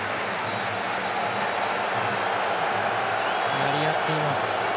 やり合っています。